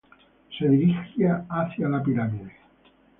Se dirija hacia la pirámide.